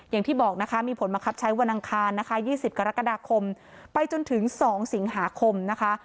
อย่างที่บอกนะคะมีผลบังคับใช้วันอังคารนะคะ๒๐กรกฎาคมไปจนถึง๒สิงหาคมนะคะ